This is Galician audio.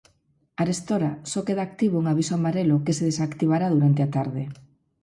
Arestora só queda activo un aviso amarelo, que se desactivará durante a tarde.